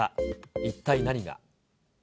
一体何が。